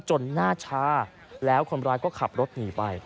หน้าชาแล้วคนร้ายก็ขับรถหนีไป